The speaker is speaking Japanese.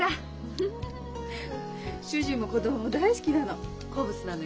フフフ主人も子供も大好きなの。